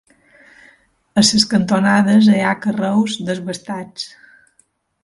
A les cantonades hi ha carreus desbastats.